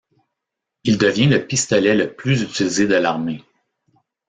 Il devient le pistolet le plus utilisé de l'armée.